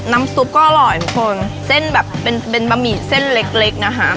ซุปก็อร่อยทุกคนเส้นแบบเป็นเป็นบะหมี่เส้นเล็กเล็กนะคะ